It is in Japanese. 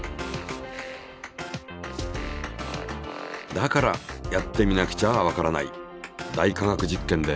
だからやってみなくちゃわからない「大科学実験」で。